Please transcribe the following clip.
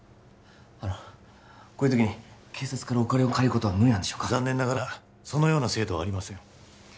あのこういう時に警察からお金を借りることは無理なんでしょうか残念ながらそのような制度はありません